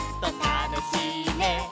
「たのしいね」